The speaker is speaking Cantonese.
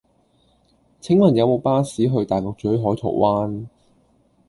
請問有無巴士去大角嘴海桃灣